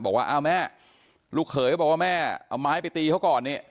บอกว่าอ้าวแม่ลูกเขยก็บอกว่าแม่เอาไม้ไปตีเขาก่อนเนี่ย